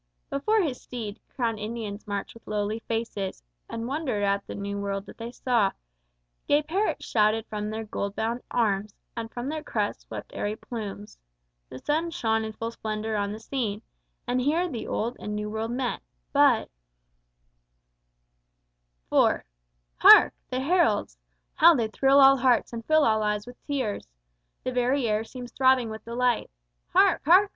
Before his steed Crowned Indians marched with lowly faces, And wondered at the new world that they saw; Gay parrots shouted from their gold bound arms, And from their crests swept airy plumes. The sun Shone full in splendor on the scene, and here The old and new world met. But IV Hark! the heralds! How they thrill all hearts and fill all eyes with tears! The very air seems throbbing with delight; Hark! hark!